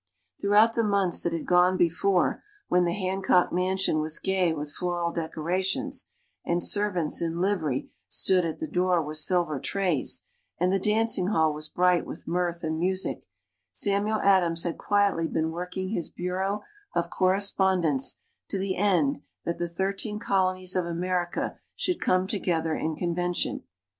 Throughout the months that had gone before, when the Hancock mansion was gay with floral decorations, and servants in livery stood at the door with silver trays, and the dancing hall was bright with mirth and music, Samuel Adams had quietly been working his Bureau of Correspondence to the end that the thirteen Colonies of America should come together in convention.